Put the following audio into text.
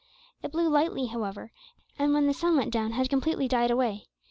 It blew lightly, however, and when the sun went down, had completely died away.